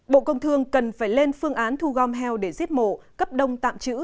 bộ công thương cần phải lên phương án thu gom heo để giết mổ cấp đông tạm chữ